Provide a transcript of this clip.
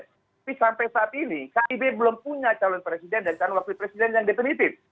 tapi sampai saat ini kib belum punya calon presiden dan calon wakil presiden yang definitif